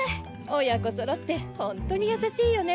親子そろってホントにやさしいよね。